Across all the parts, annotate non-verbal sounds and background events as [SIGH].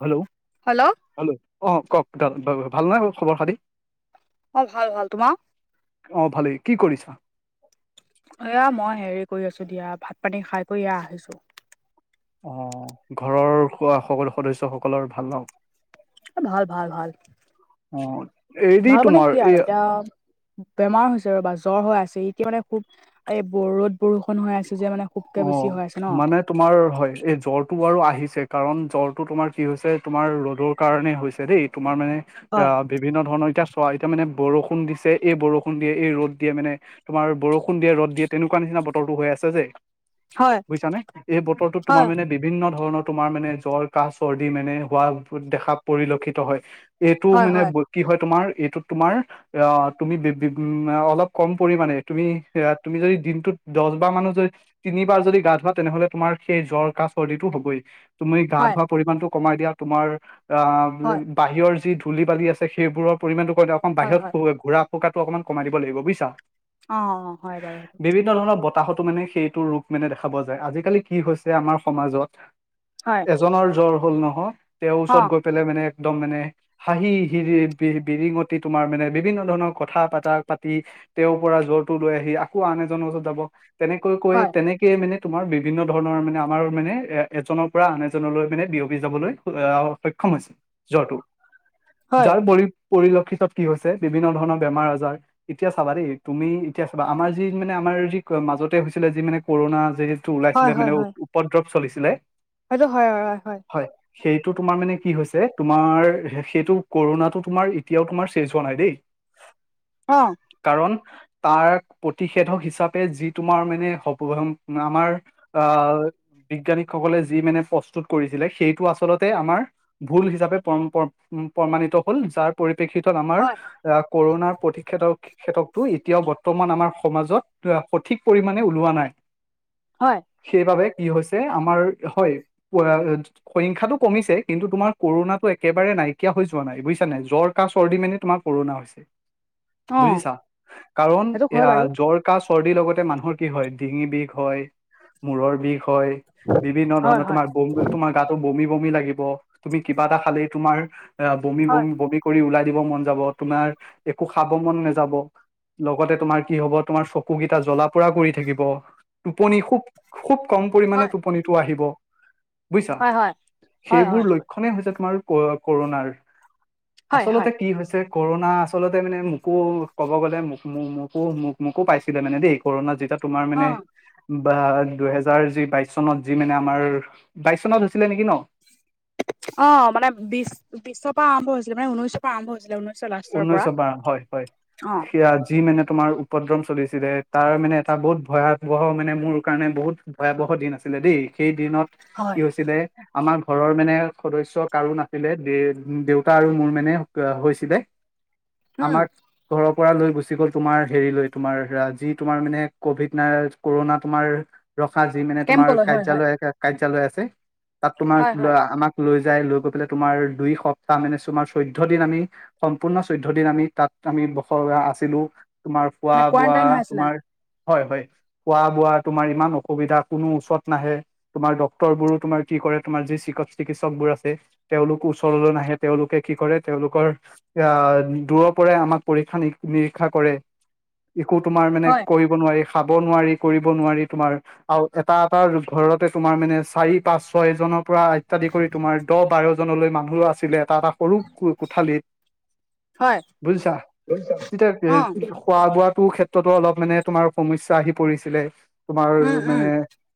Hello. Hello. Hello, অ', কওক ভাল নে খবৰ খাতি? অ', ভাল ভাল, তোমাৰ? অ', ভালেই কি কৰিছা? এয়া মই হেৰি কৰি আছো দিয়া, ভাত পানী খাই বৈ এয়া আহিছো। অ', ঘৰৰ খো সকলো সদস্য সকলৰ ভাল ন? এ, ভাল ভাল ভাল। অ এৰি ভাল মানে তোমাৰ কি আৰু এই এতিয়া বেমাৰ হৈছে ৰ'বা, জ্বৰ হৈ আছে এতিয়া মানে খুব এই ব-ৰদ বৰষুণ হৈ আছে যে মানে খুব অ', মানে তোমাৰ হয়, এই জ্বৰটো বাৰু আহিছে কাৰণ জ্বৰটো তোমাৰ কি হৈছে তোমাৰ ৰ'দৰ কাৰণে হৈছে দেই। তোমাৰ মানে, এয়া হয় বিভিন্ন ধৰণৰ এতিয়া চোৱা, এতিয়া মানে বৰষুণ দিছে এই বৰষুণ দিয়ে এই ৰ'দ দিয়ে মানে তোমাৰ বৰষুণ দিয়ে, ৰদ দিয়ে, তেনেকুৱা নিচিনা বতৰটো হৈ আছে যে হয় বুইছানে? এই বতৰটোত তোমাৰ হয় মানে বিভিন্ন ধৰণৰ তোমাৰ মানে জ্বৰ, কাহ, চৰ্দি মানে হোৱা দেখা উ পৰিলক্ষিত হয়। এইটো হয় মানে হয় ব কি হয় তোমাৰ, এইটোত তোমাৰ আহ তুমি বি বি অলপ কম পৰিমামানে, তুমি এ তুমি যদি দিনটোত দছ বাৰ মানো যদি তিনিবাৰ যদি গা ধুৱা তেনেহলে তোমাৰ সেই জ্বৰ, কাহ, চৰ্দিটো হ'বই। তুমি গা হয় ধোৱা পৰিমামানটো কমাই দিয়া, তোমাৰ আহ হয় বাহিৰৰ যি ধূলি-বালি আছে সেইবোৰৰ পৰিমামানটো কলে অকণ হয় বাহিৰত হয় ফ ঘুৰা ফুকাটো অকণমান কমাই দিব লাগিব বুইছা। অ', হয় বাৰু সেইটো। বিভিন্ন ধৰণৰ বতাহতো মানে সেইটো ৰূপ মানে দেখা পোৱা যায়। আজিকালি কি হৈছে আমাৰ সমাজত হয়। এজনৰ জ্বৰ হ'ল নহয়, তেওঁৰ অ ওচৰত গৈ পেলাই মানে একদম মানে হাঁহি, হিৰি বি-বিৰিঙতে তোমাৰ মানে বিভিন্ন ধৰণৰ কথা পতা পাতি তেওঁৰ পৰা জ্বৰটো লৈ আহি আকৌ আন এজনৰ ওচৰত যাব, তেনেকৈ তেনেকে মানে তোমাৰ বিভিন্ন ধৰণৰ মানে আমাৰ মানে এ-এজনৰ পৰা আন এজনলৈ মানে বিয়পি যাবলৈ আ সক্ষম হৈছে জ্বৰটো, হয় যাৰ পৰি পৰিলক্ষিতত কি হৈছে, বিভিন্ন ধৰণৰ বেমাৰ আজাৰ। ইতিয়া চাবা দেই, তুমি ইতিয়া চাবা আমাৰ যি মানে আমাৰ যি মাজতে হৈছিলে যি মানে কৰোণা যিহেতু হয় ওলাইছিলে, মানে উপদ্ৰৱ চলিছিলে হয়টো হয়, হয়, হয়। হয়। সেইটো তোমাৰ মানে কি হৈছে, তোমাৰ সেইটো কৰোণাটো তোমাৰ এতিয়াও তোমাৰ চেচ হোৱা নাই দেই। [UNINTELLIGIBLE] অ'। কাৰণ তাৰ প্ৰতিষেধক হিচাপে যি তোমাৰ মানে হ [UNINTELLIGIBLE] আমাৰ আ বিজ্ঞানিকসকলে যি মানে প্ৰস্তুত কৰিছিলে, সেইটো আচলতে আমাৰ ভুল হিচাপে প্ৰম-প্ৰম-প্ৰমাণিত হল, যাৰ পৰিপ্ৰেক্ষিতত আমাৰ হয় এ কৰণাৰ প্ৰতীক্ষো [UNINTELLIGIBLE] খেতকতো এতিয়াও বৰ্তমান আমাৰ সমাজত সঠিক পৰিমণে ওলোৱা নাই। হয়। সেইবাবে কি হৈছে আমাৰ হয়। [UNINTELLIGIBLE] সংখ্যাটো কমিছে কিন্তু তোমাৰ কৰোণাতটো একেবাৰে নাইকিয়া হৈ যোৱা নাই, বুজছা নাই জ্বৰ কাঁহ চৰ্দি মানে তোমাৰ কৰোণা হৈছে। অ বুজিছা, কাৰণ সেইটো হয় এয়া বাৰু জ্বৰ কাঁহ চৰ্দিৰ লগতে মানুহৰ কি হয় ডিঙি বিষ হয় মূৰৰ বিষ হয় বিভিন্ন হয় ধৰণৰ হয় তোমাৰ বম বিল তোমাৰ গাতো বমি, বমি লাগিব তুমি কিবা এটা খালেই তোমাৰ বমি, হয় বমি, বমি। কৰি ওলাই দিব মন যাব তোমাৰ একো খাব মন নাযাব। লগতে তোমাৰ কি হব তোমাৰ চকুকেইটা জ্বলা পোৰা কৰি থাকি ব টোপনি খুব খুব কম পৰিমানে হয় টোপনিটো আহিব। বুজিছা হয় হয় হয় সেইবোৰ হয় ল ক্ষণে হৈছে তোমাৰ ক কৰোণাৰ হয় হয় হয় আচলতে কি হৈছে। কৰোণা আচলতে মানে মোকো ক'ব গ'লে মোক, মোক, মোকো, মোক, মোকো পাইছিলে মানে দেই কৰোণাত যেতিয়া তোমাৰ অ মানে। বা দুহেজাৰ যি বাইশ চনত যি মানে আমাৰ বাইশ চনত হৈছিলে নেকি ন? অ মানে বিশ বিশৰ পৰা আৰম্ভ হৈছিলে মানে ঊনৈশৰ পৰা আৰম্ভ হৈছিলে ঊনৈছ। ঊনৈশ পা হয় হয় অ সেয়া যি মানে তোমাৰ। উপদ্ৰম চলিছিলে তাৰ মানে এটা বহুত ভয়াৱহ মানে মোৰ কাৰণে বহুত ভয়াৱহ দিন আছিলে দেই। সেই দিনত কি হয় হৈছিলে। আমাৰ ঘৰৰ মানে সদস্য কাৰো নাছিলে দে দেউতা আৰু মোৰ মানে হৈছিলে। উম আমাক। ঘৰৰ পৰা লৈ গুচি গ'ল তোমাৰ হেৰি লৈ তোমাৰ যি তোমাৰ মানে কভিড নাই কৰোণা তোমাৰ। ৰখা যি মানে তোমাৰ কেম্পলৈ হয় হয় কাৰ্যালয় কাৰ্যালয় আছে তাত তোমাক হয় হয় ল আমাক। লৈ যাই লৈ গৈ পেলাই তোমাৰ দুই সপ্তাহ মানে আমাৰ চৈধ্য দিন আমি- সম্পূৰ্ণ চৈধ্য দিন আমি তাত আমি বস আছিলো। তোমাৰ খোৱা মানে বোৱা কোৱাৰেণ্টাইন হৈ আছিলা তোমাৰ- হয় হয় খোৱা বোৱা তোমাৰ ইমান অসুবিধা কোনো ওচৰত নাহে- তোমাৰ ডক্তৰ বোৰো তোমাৰ কি কৰে তোমাৰ যি, চিকিৎসকবোৰ আছে- তেওঁলোক ওচৰলৈ নাহে। তেওঁলোকে কি কৰে তেওঁলোকৰ- এ দূৰৰ পৰাই আমাক পৰীক্ষা নি নিৰীক্ষা কৰে একো তোমাৰ মানে হয় কৈ। নোৱাৰি খাব নোৱাৰি কৰিব নোৱাৰি তোমাৰ। আও এটা এটা ঘৰতে তোমাৰ মানে চাৰি পাঁচ ছয় এজনক। পৰা ইত্যাদি কৰি তোমাৰ দহ বাৰজনলৈ মানুহো আছিলে এটা এটা সৰু কোঠালিত। হয় বুজিছা তেতিয়া অ খোৱা বোৱাটো ক্ষেত্ৰ তো অলপ মানে তোমাৰ সমস্যা আহি পৰিছিলে তোমাৰ উম উম মানে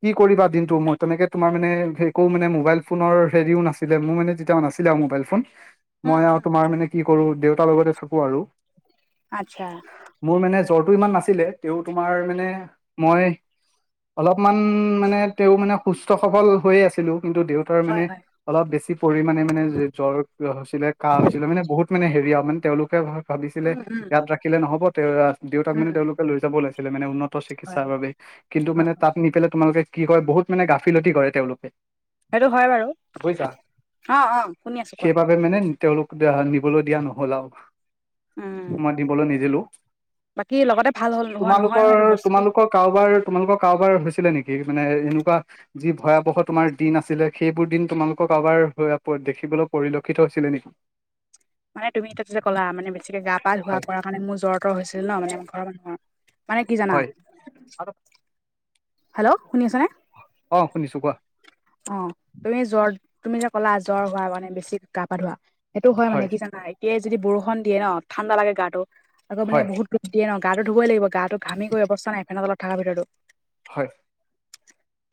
কি কৰিবা দিনটো মই। তেনেকে তোমাৰ মানে একো মানে মোবাইল ফোনৰ হেৰিও নাছিলে মোৰ মানে যেতিয়া নাছিলে আও মোবাইল ফোন। উম মই আৰু উম তোমাৰ মানে কি কৰো দেউতাৰ লগতে থাকো আৰু। আচ্ছা। মোৰ মানে জ্বৰটো ইমান নাছিলে তে তোমাৰ মানে মই- অলপমান মানে তেওঁ মানে সুস্থ সবল হৈয়ে আছিলো কিন্তু দেউ তাৰ মানে হয় হয় অলপ বেছি পৰিমানে মানে মানে জ্বৰ হৈছিলে কাঁহ হৈছিলে মানে বহুত- মানে হেৰি য়াও মানে তেওঁলোকে ভাবিছিলে উম উম ইয়াত ৰাখিলে নহ'ব তে দেউতাক মানে উম তেওঁলোক- লৈ যাব ওলাইছিলে মানে উন্নত হয় চিকিৎসাৰ বাবে কিন্তু মানে হয় হয় তাত নি পেলায় তোমালোকে- কি কয় বহুত মানে গাফিলতি কৰে তেওঁলোকে। সেইটো হয় বাৰু বুজিছা অ, অ শুনি আছো, কোৱা? সেইবাবে মানে তেওঁলোক নিবলৈ দিয়া নহ'ল আৰু- উম মই দিবলৈ নিদিলো বাকী লগতে ভাল হ'ল নোহোৱা নহয় তোমালোকৰ নহয় এইটো বস্তুটো তোমালোকক- কাৰোবাৰ তোমালোকৰ কাৰোবাৰ হৈছিলে নেকি মানে এনেকুৱা? যি ভয়াৱহ তোমাৰ দিন আছিলে। সেইবোৰ দিন তোমালোকৰ কাৰোবাৰ দেখিবলৈ পৰিলক্ষিত হৈছিলে নেকি? মানে তুমি এতিয়া যিটো কলা, মানে বেছিকে গা পা ধুৱা হয় কৰা কাৰণে মোৰ জ্বৰ তৰ হৈছিল ন মানে আমাৰ ঘৰ মানুহৰ- মানে কি জানা? আত হেল্ল' শুনি আছেনে? অ শুনিছো কোৱা? অ, তুমি জ্বৰ তুমি যে ক'লা জ্বৰ হোৱা মানে বেছি গা পা ধুৱা সেইটো হয় মানে কি জানা এতিয় যদি বৰষুন দিয়ে ন ঠাণ্ডা লাগে গাটো আকৌ মানে হয় বহুত ধূপ দিয়ে ন গা ধুই লাগিব গাটো ঘামি গৈ অৱস্থা নাই ফেনে তলত থকাৰ ভিতৰতো। হয়।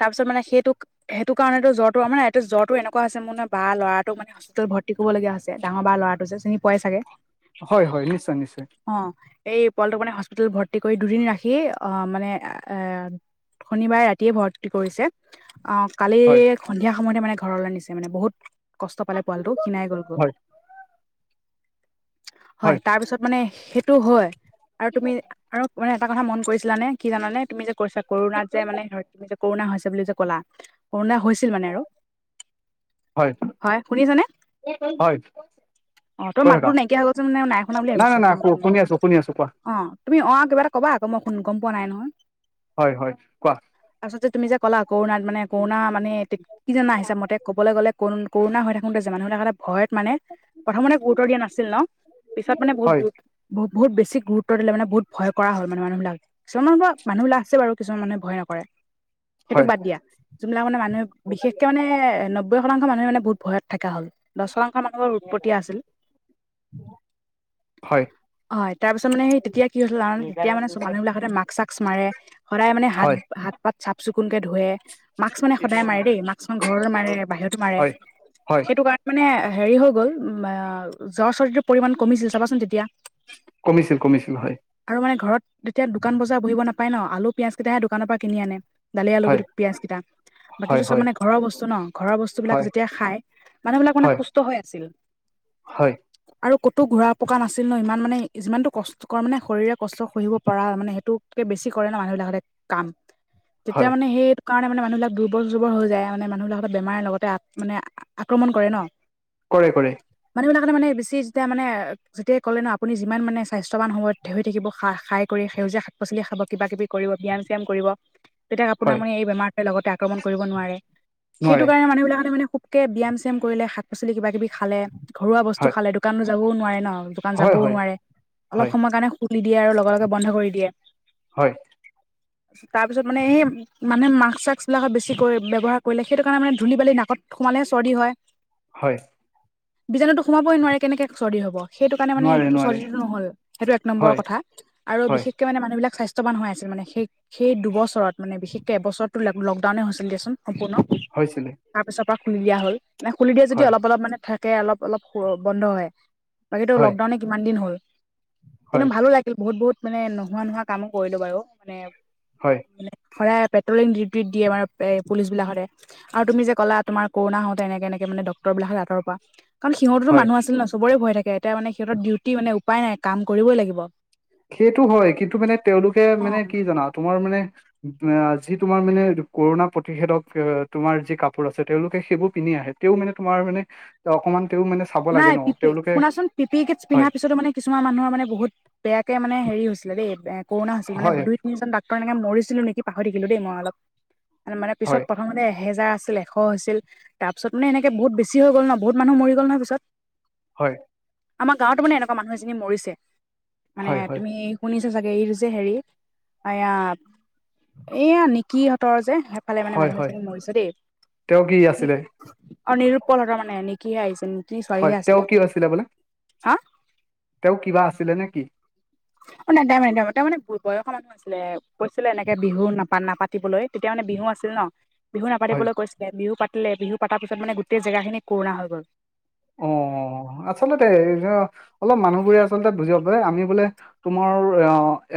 তাৰ পিছত মানে সেইটোক সেইটো কাৰনেটো জ্বৰটো আমাৰ জ্বৰটো এনেকুৱা আছে মানে বা ল'ৰাটো মানে ভৰ্তি কৰিবলীয়া আছে ডাঙৰ বা ল'ৰাটো যে চিনি পোৱাই চাগে। হয়-হয়, নিশ্চয়-নিশ্চয়। অ, এই পোৱালিটোক মানে হস্পিতোল ভৰ্তি কৰি দুদিন ৰাখি আহ মানে এ শনিবাৰে ৰাতিয়ে ভৰ্তি কৰিছে। অ, কালি হয় সন্ধিয়া সময়তে মানে ঘৰলে নিছে মানে বহুত কষ্ট পালে পোৱালটো ক্ষিনাই গ'লগৈ হয় হয়, তাৰপিছত মানে সেইটো হয় আৰু তুমি আৰু মানে এটা কথা মন কৰিছিলানে কি জানে তুমি যে কৰিছা কৰোণাত যে মানে ধৰ তুমি যে কৰোণা হৈছে বুলি যে ক'লা? কৰুণা হৈছিল মানে আৰু। হয় শুনিছানে? হয়-হয়। অ, তই মাতবোৰ নাইকিয়া হৈ গৈছে মানে নাই শুনা বুলি নাই নাই ভাবিছিলো? শুনি আছো শুনি আছো কোৱা অ, তুমি অ, আ, কিবা এটা কবা আকৌ মই গম পোৱা নাই নহয়। হয়-হয় কোৱা? তাৰপাছতে তুমি যে ক'লা কৰোণাত মানে কৰোণা মানে কি জানা হিচাবমতে ক'বলে গ'লে ক কৰোনা হৈ থাকোতে যে মানুহ ভয়ত মানে প্ৰথমতে গুৰুত্ব দিয়া নাছিল ন। পিছত মানে বহুত হয় গুৰুত্ব বহুত বেছি গুৰুত্ব দিলে মেনে বহুত ভয় কৰা হয় মানুহবিলাক। কিছুমান বাৰু মানুহ আছে বাৰু কিছুমান মানুহে ভয় নকৰে, সেইটোক হয় বাদ দিয়া। যোনবিলাক মানে মানুহে বিশেষকে মানে নব্বৈ শতাংশ মানুহে মানে বহুত ভয়ত থকা হ'ল। দহ শতংশ মানুহৰ উৎপটীয়া আছিল। হয়। হয়, তাৰ পিছত মানে সেই তেতিয়া কি হৈছিল জানা নে তেতিয়া মানে মানুহ বিলাকতে মাক-চাক মাৰে। সদায় মানে হয় হাত-হাত পাত চাফ চিকুণকে ধুৱে। মাক্স মানে সদায় মাৰে দেই মাক্স মানে ঘৰত মাৰে বাহিৰতো মাৰে হয় হয় সেইটো কাৰণে, মানে হেৰি হৈ গ'ল জ্বৰ চৰ্দি ৰ পৰিমাণ কমিছিল চাবাচোন তেতিয়া। কমিছিল-কমিছিল হয়। আৰু মানে ঘৰত তেতিয়া দোকান বজাৰ বহিব নাপায় ন' আলু পিয়াজ কেইটাহে দোকানৰ পৰা কিনি আনে। দালি আলু হয় পিয়াজ কেইটা। হয় বাকীটো চব হয় মানে ঘৰৰ বস্তু ন, ঘৰৰ বস্তুবিলাক হয় যেতিয়া খাই মানুহবিলাক মানে হয় সুস্থ হৈ আছিল। হয়। আৰু ক'তো ঘূৰা পকা নাছিল ন, ইমান মানে যিমানটো কষ্টকৰ মানে শৰীৰে কষ্ট সহিব পৰা মানে সেইটোক, বেছি কৰে ন মানুহবিলাকতে কাম, হয় তেতিয়া মানে সেইটো কাৰণে মানে মানুহবিলাক দুৰ্বল-চুৰ্বৰ হৈ যায়, মানে মানুহ বিলাকত বেমাৰ লগতে মানে আক্ৰমণ কৰে ন। কৰে-কৰে। মানুহবিলাক কাৰণে মানে বেছি যেতিয়া মানে যেতিয়া ক'লে ন' আপুনি যিমান মানে স্বাস্থ্যৱান সময়ত, হৈ থাকিব খা খাই কৰি সেউজীয়া শাক পাচলি খাব কিবা কিবি কৰিব ব্যাম শ্যাম কৰিব। তেতিয়া আপোনাক হয় মানে এই বেমাৰটোৱে লগতে আক্ৰমণ কৰিব নোৱাৰে। সেইটো নোৱাৰে কাৰণে মানুহবিলাক মানে কে ব্যাম-চ্যাম কৰিলে, শাক পাচলি কিবা কিবি খালে, ঘৰুৱা বস্তু হয় খালে, দোকানো যাবও নোৱাৰে ন। দোকান হয় যাবও হয় নোৱাৰে, অলপ হয় সময় কাৰণে খুলি দিয়ে আৰু লগে লগে বন্ধ কৰি দিয়ে। হয় তাৰ পিছত মানে সেই মানে মাক্স চাক্স বিলাকত বেছি কৰি ব্যৱহাৰ, কৰিলে, সেইটো কাৰণে মানে ধূলি বালি নাকত সোমালে হে চৰ্দি হয়। হয়। বীজাণুটো সোমাবই নোৱাৰে কেনেকৈ চৰ্দি হ'ব। সেইটো কাৰণে মানে নোৱাৰে এইটো নোৱাৰে চৰ্দিটো নহল, সেইটো এক নম্বৰ হয় কথা আৰু হয় বিশেষ মানে মানুহবিলাক স্বাস্থ্যৱান হৈ আছিল মানে, সেই সেই দুবছৰত মানে বিশেষকে এবছৰত। লকডাউনেই হৈছিল দিয়াচোন সম্পূৰ্ণ। হয় চাগে। তাৰপিছৰ পৰা খুলি দিয়া হল, মানে খুলি দিয়া যদি অলপ অলপ মানে থাকে অলপ অলপ বন্ধ হয়। বাকীটো হয় লকডাউনে কিমান দিন হ'ল, হয় কিন্তু ভালো লাগে বহুত বহুত মানে নোহোৱা নোহোৱা কামো কৰিলো বাৰু, মানে হয়। মানে সদায় পেট্ৰলিং ডিউটি দিয়ে আমাৰ পুলিচ বিলাক সদায়। আৰু তুমি যে ক'লা তোমাৰ কৰোণা হওঁতে এনেকে এনেকে মানে ডক্তৰ বিলাক আতৰ পৰা, কাৰণ সিহঁতেতো হয় মানুহ আছিলে ন, চবৰে ভয় থাকে, এতিয়া মানে সিহঁতৰ ডিউটি মানে উপায় নাই কাম কৰিবই লাগিব। সেইটো হয়। কিন্তু মানে তেওঁলোকে মানে কি জানা তোমাৰ মানে যি তোমাৰ মানে কৰোণা প্ৰতিষেধক তোমাৰ যি কাপোৰ আছে, তেওঁওলোকে সেইবোৰ পিন্ধি আহে। তেওঁ মানে তোমাৰ মানে অকণমান তেওঁ মানে চাব লাগে নাই ন পিপি তেওঁলোকে শুনাচোন, পি পি কিটছ হয় পিন্ধাৰ পিছতো মানে কিছুমান মানুহৰ মানে বহুত বেয়াকে মানে হেৰি হৈছিলে দেই, কৰোণা হৈছিল, মানে হয় দুই তিনিজন ডাক্তৰ এনেকে মৰিছিলো নেকি পাহৰি থাকিলো দেই মই অলপ। মানে পিছত হয় প্ৰথমতে এহেজাৰ আছিলে, ছিল তাৰ পিছত মানে এনেকে বহুত বেছি হৈ গ'ল ন, বহুত মানুহ মৰি গ'ল নহয় পিছত। হয়। আমাৰ গাঁওতো মানে এনেকুৱা মানুহ এজনী মৰিছে, মানে হয় হয় তুমি শুনিছে চাগে এই যে হেৰি এইয়া এইয়া নিকিহ তৰ যে সেইফালে মানে হয় মানুহ হয় এজনী মৰিছে তেওঁ কি দেই, আছিলে অ নিৰুতপলহঁতৰ মানে নিকিহে আহিছে নিকি হয় ছোৱালীহে তেওঁ আছিলে, কি বোলে হা! তেওঁ কিবা আছিলে নেকি? [UNINTELLIGIBLE] ছিলে কৈছিলে এনেকে বিহু নাপা নাপাতিবলৈ, তেতিয়া মানে বিহু আছিল ন। বিহু হয় নাপাতিবলৈ কৈছিলে, বিহু পাতিলে বিহু পাতাৰ পিছত মানে গোটেই জেগাখিনি কৰুণা হৈ গ'ল। অ, আচলতে অলপ মানুহবোৰে আচলতে বুজিব পাৰে আমি বোলে, তোমাৰ অ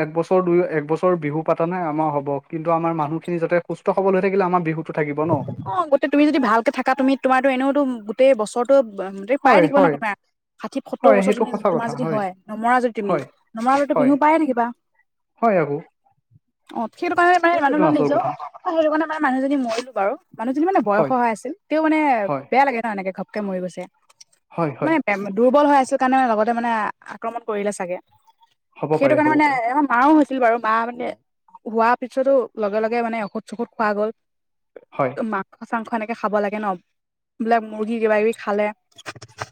একবছৰ দুই এক বছৰ বিহু পাতা নাই আমাৰ হ'ব, কিন্তু আমাৰ মানুহখিনি যাতে সুস্থ সবল হৈ থাকিলে আমাৰ বিহুটো থাকিব ন। অ গোটেই তুমিযদি ভালকে থাক তুমি তোমাৰো এনেওতো গোটেই বছৰটো মম পাই হয়, থাকিবা ন হয়, তুমাৰ ষাঠি -সত্তৰ হয়, বছৰ সেইটো তুমি সঁচা তোমাৰ কথা যদি হয় নমৰা যদি তুমি, হয়, নমৰালেতো হয়, বিহু পায়ে থাকিবা। হয় আকৌ। অ সেইটো কাৰণে মানেই মানুহ সেইটোৱেতো অলপ আচল নিজেও কথা সেইটো কাৰণে মান মানুহ যদি মৰিলো বাৰু মানুহজনী মানে বয়স হয় আছিল তেওঁ মানে হয়, বেয়া লাগে ন এনেকে ঘপকে মৰি গৈছে। হয়, হয়, মানে দুৰ্বল হৈ আছিল কাৰণে লগতে মানে আক্ৰমণ কৰিলে চাগে। হ'ব সেইটো পাৰে কাৰণে হ'ব মানে পাৰে এ কাহ ও হৈছিল বাৰু মা মানে হোৱাৰ পিছতো লগে লগে মানে ঔষধ -চৌষধ খোৱা গ'ল। হয়, মাংস -চাংস এনেকে খাব লাগে ন বিলাক মুৰ্গী কিবা কিবি খালে,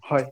হয়।